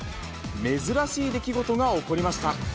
珍しい出来事が起こりました。